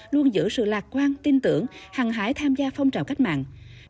luôn giữ sự lạc quan tin tưởng hàng hải tham gia phong trào cách mạng